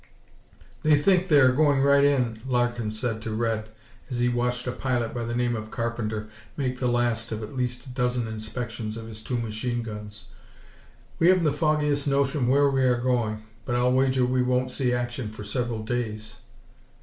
"They think they are going right in," Larkin said to Red, as he watched a pilot by the name of Carpenter make the last of at least a dozen inspections of his two machine guns. "We haven't the foggiest notion where we are going, but I'll wager we won't see action for several days."